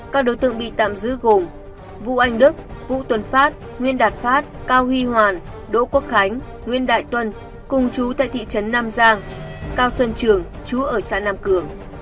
các đối tượng bị tạm giữ gồm vũ anh đức vũ tuần phát nguyên đạt phát cao huy hoàn đỗ quốc khánh nguyễn đại tuân cùng chú tại thị trấn nam giang cao xuân trường chú ở xã nam cường